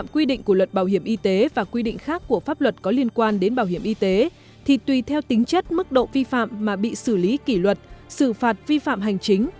quyết định tăng một trăm sáu mươi đồng một tháng